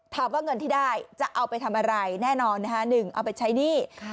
เงินที่ได้จะเอาไปทำอะไรแน่นอนนะคะ๑เอาไปใช้หนี้